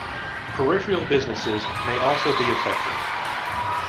Peripheral businesses may also be affected.